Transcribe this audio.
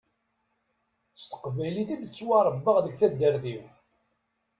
S teqbaylit i d-ttwaṛebbaɣ deg taddart-iw.